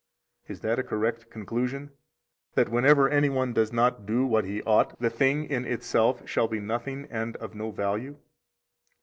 Is that a correct conclusion, that whenever any one does not do what he ought, the thing in itself shall be nothing and of no value?